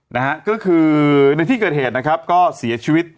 นะฮะก็คือในที่เกิดเหตุนะครับก็เสียชีวิต